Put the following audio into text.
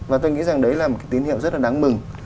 và tôi nghĩ rằng đấy là một cái tín hiệu rất là đáng mừng